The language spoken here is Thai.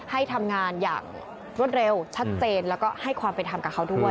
ให้ทำงานอย่างรวดเร็วชัดเจนแล้วก็ให้ความเป็นธรรมกับเขาด้วย